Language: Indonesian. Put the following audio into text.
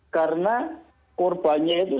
karena korbannya itu